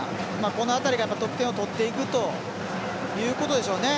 この辺りが得点を取っていくということでしょうね。